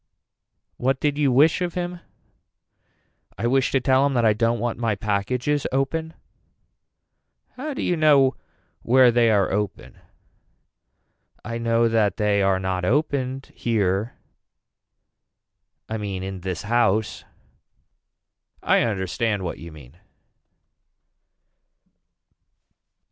What did you wish of him. I wish to tell him that I don't want my packages open. How do you know where they are open. I know that they are not opened here I mean in this house. I understand what you mean.